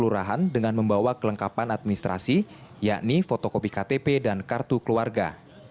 warga juga membuat perubahan dengan membawa kelengkapan administrasi yakni fotokopi ktp dan kartu keluarga